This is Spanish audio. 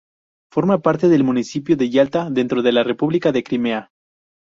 Forma parte del Municipio de Yalta, dentro de la República de Crimea.